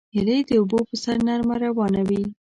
هیلۍ د اوبو پر سر نرمه روانه وي